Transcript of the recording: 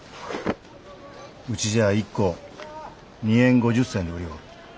うちじゃあ１個２円５０銭で売りょおる。